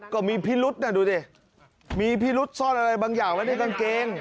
ก็มีพิรุษน่ะดูดิมีพิรุษซ่อนอะไรบางอย่างไว้ในกางเกง